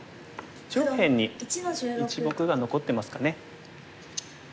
上辺に１目が残ってますかね。